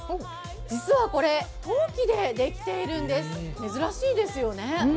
実はこれ、陶器でできているんです珍しいですよね。